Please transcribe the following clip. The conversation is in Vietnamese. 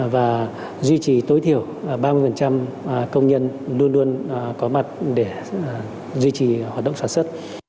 và duy trì tối thiểu ba mươi công nhân luôn luôn có mặt để duy trì hoạt động sản xuất